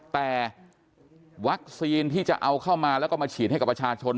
แต่วัคซีนที่จะเอาเข้ามาแล้วก็มาฉีดให้กับประชาชน